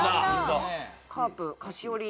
「カープ菓子折り」。